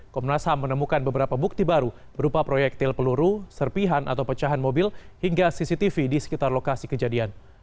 komnas ham menemukan beberapa bukti baru berupa proyektil peluru serpihan atau pecahan mobil hingga cctv di sekitar lokasi kejadian